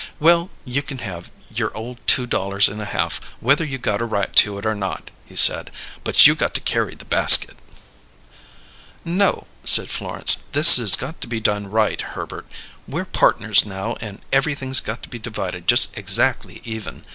"Well, you can have your ole two dollars and a half, whether you got a right to it or not," he said. "But you got to carry the basket." "No," said Florence. "This has got to be done right, Herbert. We're partners now and everything's got to be divided just exackly even.